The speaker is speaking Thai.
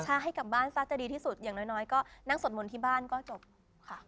ถ้าให้กลับบ้านซะจะดีที่สุดอย่างน้อยก็นั่งสวดมนต์ที่บ้านก็จบค่ะ